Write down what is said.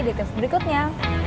di tips berikutnya